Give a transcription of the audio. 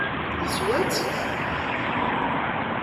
Yeswa-tt?